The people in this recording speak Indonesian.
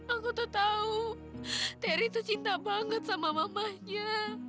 aku tau tau terry tuh cinta banget sama mamanya